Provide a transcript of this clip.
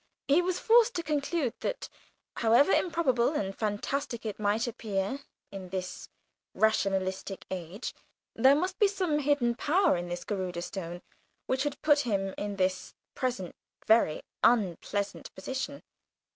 He was forced to conclude that, however improbable and fantastic it might appear in this rationalistic age, there must be some hidden power in this Garudâ Stone which had put him in his present very unpleasant position.